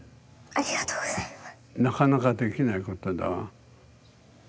ありがとうございます。